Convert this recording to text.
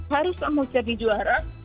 harus kamu jadi juara